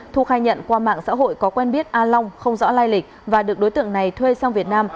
thu khai nhận qua mạng xã hội có quen biết a long không rõ lai lịch và được đối tượng này thuê sang việt nam